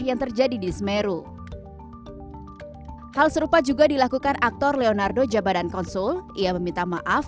yang terjadi di semeru hal serupa juga dilakukan aktor leonardo jabadan konsul ia meminta maaf